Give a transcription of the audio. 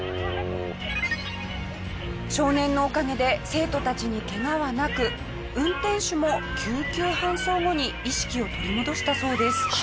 少年のおかげで生徒たちにケガはなく運転手も救急搬送後に意識を取り戻したそうです。